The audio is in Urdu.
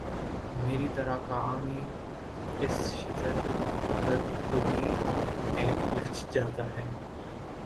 میری طرح کا عامی اس شتر گربگی میں الجھ جاتا ہے۔